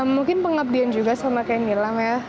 mungkin pengabdian juga sama kayak nilam ya